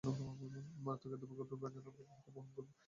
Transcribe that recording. মারাত্মক এ দুর্ভিক্ষ দূর হওয়া পর্যন্ত আমরা তা বহন করব।